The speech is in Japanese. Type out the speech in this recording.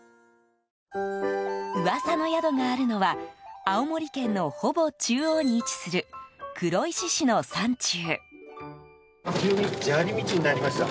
噂の宿があるのは青森県のほぼ中央に位置する黒石市の山中。